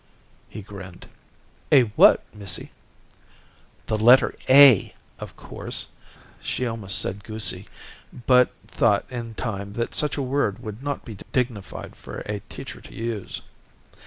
He grinned. "A what, missy?" "The letter A, of course, g " She almost said "goosie," but thought in time that such a word would not be dignified for a teacher to use.